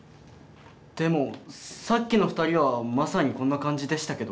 でもさっきの２人はまさにこんな感じでしたけど。